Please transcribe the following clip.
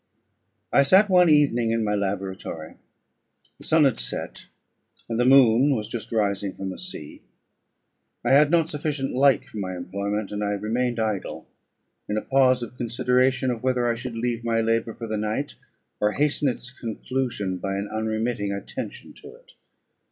I sat one evening in my laboratory; the sun had set, and the moon was just rising from the sea; I had not sufficient light for my employment, and I remained idle, in a pause of consideration of whether I should leave my labour for the night, or hasten its conclusion by an unremitting attention to it.